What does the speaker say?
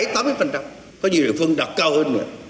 có nhiều địa phương đặc cao hơn nữa